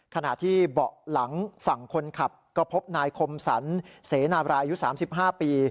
ขณะที่เบาะหลังฝั่งคนขับก็พบนายคมสรรเสนาบรายุ๓๕ปี